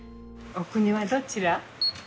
お国はどちら？